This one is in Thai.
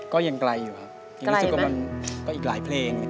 ก็ยังไกลอยู่ครับยังรู้สึกว่ามันก็อีกหลายเพลง